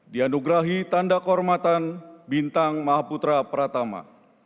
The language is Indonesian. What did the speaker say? dianugerahi tanda kehormatan bintang mahaputra pratama